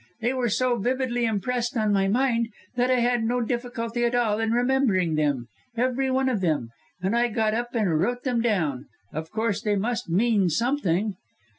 They were so vividly impressed on my mind that I had no difficulty at all in remembering them every one of them, and I got up and wrote them down. Of course they must mean something."